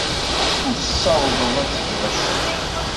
Ur tessawaḍed ad tged acemma.